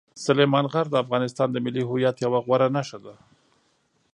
سلیمان غر د افغانستان د ملي هویت یوه غوره نښه ده.